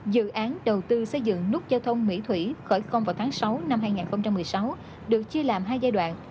dự án đầu tư xây dựng nút giao thông mỹ thủy khởi công vào tháng sáu năm hai nghìn một mươi sáu được chia làm hai giai đoạn